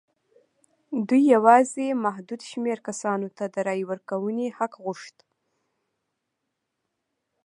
دوی یوازې محدود شمېر کسانو ته د رایې ورکونې حق غوښت.